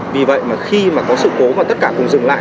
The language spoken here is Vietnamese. vì vậy mà khi mà có sự cố mà tất cả cùng dừng lại